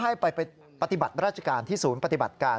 ให้ไปปฏิบัติราชการที่ศูนย์ปฏิบัติการ